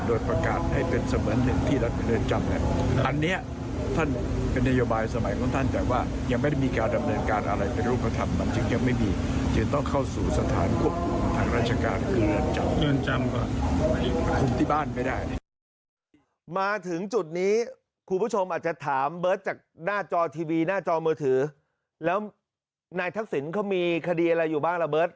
โดดประกาศให้เป็นเศมือนหนึ่งที่ประเบนเรือนจำ